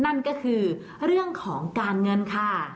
นั่นก็คือเรื่องของการเงินค่ะ